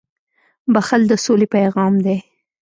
• بښل د سولې پیغام دی.